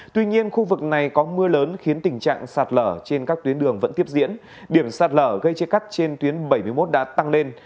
tuy nhiên khu vực này có mưa lớn khiến tình trạng sạt lở trên các tuyến đường vẫn tiếp diễn điểm sạt lở gây chia cắt trên tuyến bảy mươi một đã tăng lên